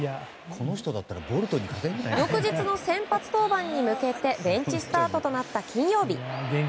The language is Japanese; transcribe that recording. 翌日の先発登板に向けてベンチスタートとなった金曜日。